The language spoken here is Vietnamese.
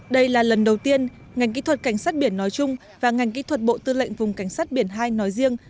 đây là lần đầu tiên ngành kỹ thuật cảnh sát biển nói chung và ngành kỹ thuật bộ tư lệnh vùng cảnh sát biển hai nói riêng